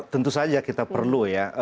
tentu saja kita perlu ya